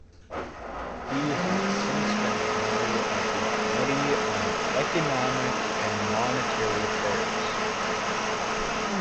He has since been a member of the Committee on Economic and Monetary Affairs.